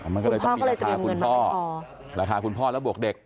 มันก็เลยต้องมีราคาคุณพ่อราคาคุณพ่อและบวกเด็ก